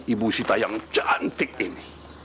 ibu sita yang cantik ini